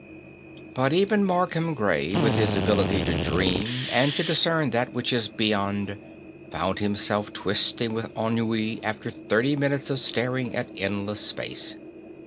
But even Markham Gray, with his ability to dream and to discern that which is beyond, found himself twisting with ennui after thirty minutes of staring at endless space.